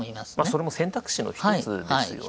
それも選択肢の一つですよね。